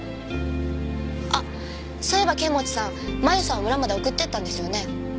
あっそういえば剣持さん麻由さん村まで送っていったんですよね。